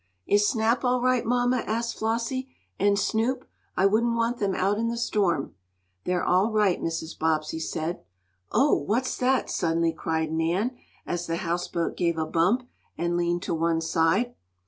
"Is Snap all right, mamma?" asked Flossie. "And Snoop? I wouldn't want them out in the storm." "They're all right," Mrs. Bobbsey said. "Oh, what's that!" suddenly cried Nan, as the houseboat gave a bump, and leaned to one side.